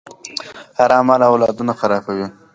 حرام مال اولادونه خرابوي.